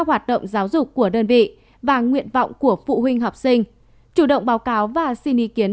hoạt động giáo dục của đơn vị và nguyện vọng của phụ huynh học sinh chủ động báo cáo và xin ý kiến